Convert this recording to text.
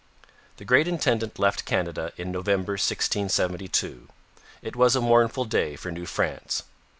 The great intendant left Canada in November 1672. It was a mournful day for New France.